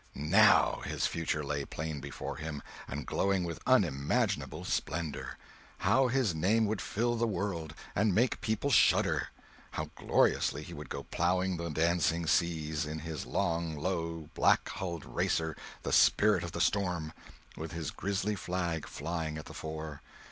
now his future lay plain before him, and glowing with unimaginable splendor. How his name would fill the world, and make people shudder! How gloriously he would go plowing the dancing seas, in his long, low, black hulled racer, the Spirit of the Storm, with his grisly flag flying at the fore!